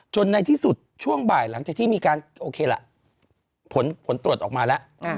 ในที่สุดช่วงบ่ายหลังจากที่มีการโอเคล่ะผลตรวจออกมาแล้ว